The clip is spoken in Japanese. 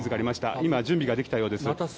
今、準備ができたようです。